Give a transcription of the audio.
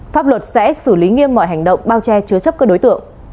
pháp luật sẽ xử lý nghiêm mọi hành động bao che chứa chấp các đối tượng